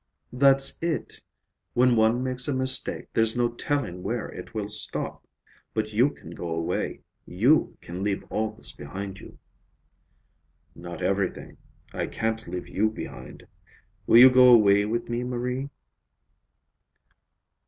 "That's it. When one makes a mistake, there's no telling where it will stop. But you can go away; you can leave all this behind you." "Not everything. I can't leave you behind. Will you go away with me, Marie?"